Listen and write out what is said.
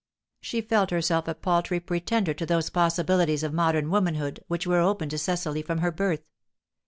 She felt herself a paltry pretender to those possibilities of modern womanhood which were open to Cecily from her birth.